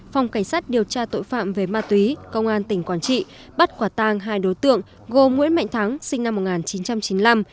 phòng cảnh sát điều tra tội phạm về ma túy công an tỉnh quảng trị bắt quả tang hai đối tượng gồm nguyễn mạnh thắng sinh năm một nghìn chín trăm chín mươi năm